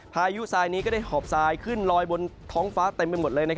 พายุทรายนี้ก็ได้หอบทรายขึ้นลอยบนท้องฟ้าเต็มไปหมดเลย